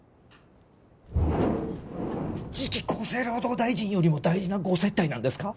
次期厚生労働大臣よりも大事なご接待なんですか？